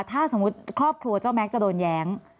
ถ้าสมมุติครอบครัวเจ้าแม็กซ์จะโดนแย้ง